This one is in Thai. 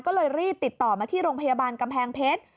ก็เลยรีบติดต่อมาที่โรงพยาบาลกำแพงเพชร